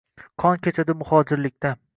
qon kechadi muhojirlikda.